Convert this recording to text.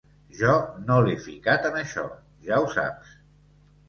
Jo no l'he ficat en això, ja ho saps.